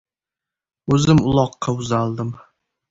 O‘zim uloqqa uzaldim.